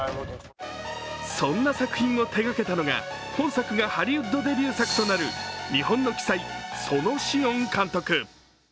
そんな作品を手掛けたのが、本作がハリウッドデビュー作となる日本の鬼才、園子温監督。